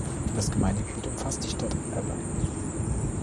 Das Gemeindegebiet umfasst die Stadt Albany.